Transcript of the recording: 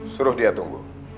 suruh dia tunggu